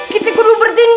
kita kudu bertindak